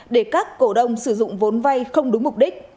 để các cổ đông sử dụng vốn vay không đúng mục đích